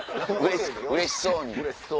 うれしそうに。